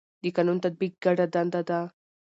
د قانون تطبیق ګډه دنده ده